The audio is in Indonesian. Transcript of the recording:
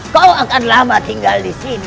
kau akan lama tinggal disini